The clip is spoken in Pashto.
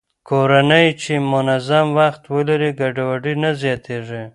کورنۍ چې منظم وخت ولري، ګډوډي نه زياتېږي.